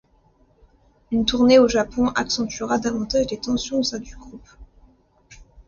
Une tournée au Japon accentuera davantage les tensions au sein du groupe.